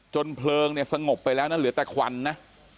จนเพลิงเนี่ยสงบไปแล้วนะเผ็ดละเวลาเงื่อแต่ควันนะ